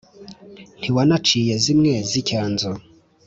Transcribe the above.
ntiwanaciye zimwe z'icyanzu